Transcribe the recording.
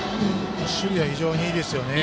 守備は非常にいいですよね。